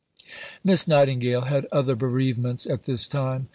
'" Miss Nightingale had other bereavements at this time.